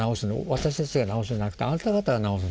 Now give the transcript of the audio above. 私たちが直すんじゃなくてあなた方が直す。